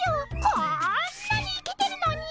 こんなにイケてるのに。